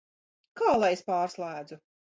Kā lai es pārslēdzu?